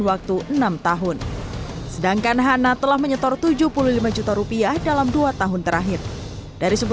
waktu enam tahun sedangkan hana telah menyetor tujuh puluh lima juta rupiah dalam dua tahun terakhir dari